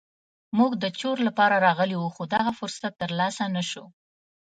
موږ د چور لپاره راغلي وو خو دغه فرصت تر لاسه نه شو.